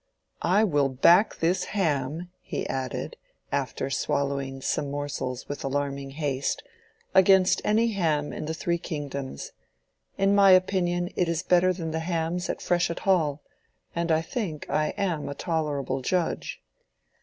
I will back this ham," he added, after swallowing some morsels with alarming haste, "against any ham in the three kingdoms. In my opinion it is better than the hams at Freshitt Hall—and I think I am a tolerable judge."